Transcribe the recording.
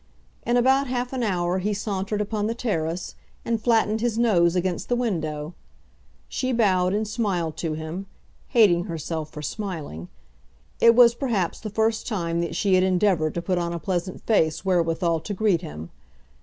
In about half an hour he sauntered upon the terrace, and flattened his nose against the window. She bowed and smiled to him, hating herself for smiling. It was perhaps the first time that she had endeavoured to put on a pleasant face wherewithal to greet him.